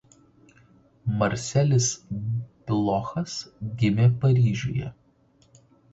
Marselis Blochas gimė Paryžiuje.